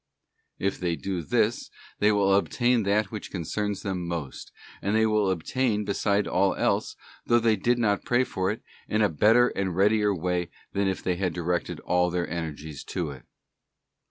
If they do this, they will obtain that which concerns them most, and they will obtain beside all else, though they did not pray for it, in a better and readier way than if they had directed all their energies to it.